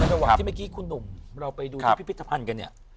แต่ในโมยวากที่เมื่อกี้คุณหนุ่มเราไปดูพิธภัณฑ์กันเนี่ย